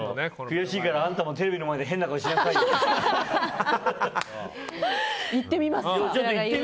悔しいからあんたもテレビで変な顔しなさいよって。